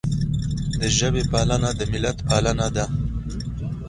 د ژبې پالنه د ملت پالنه ده.